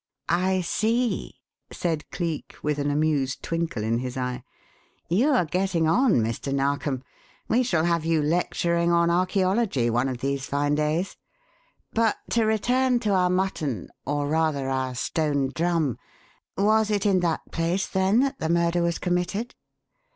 "I see," said Cleek, with an amused twinkle in his eye. "You are getting on, Mr. Narkom. We shall have you lecturing on archæology one of these fine days. But to return to our mutton or, rather, our stone drum was it in that place, then, that the murder was committed?"